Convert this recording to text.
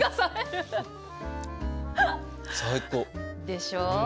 でしょう？